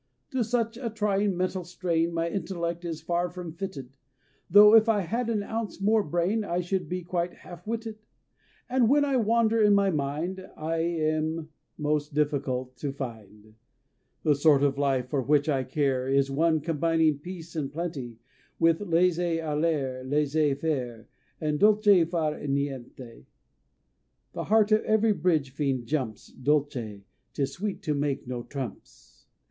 To such a trying mental strain My intellect is far from fitted, Tho' if I had an ounce more brain I should be quite half witted, And when I wander in my mind I am most difficult to find. The sort of life for which I care Is one combining Peace and Plenty With laisser aller, laisser faire, And dolce far niente. (The heart of ev'ry Bridge fiend jumps: Dolce ... 'tis sweet to make "No Trumps.")